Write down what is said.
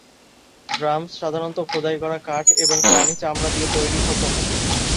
Drums সাধারণত খোদাই করা কাঠ এবং প্রাণী চামড়া দিয়ে তৈরি হত।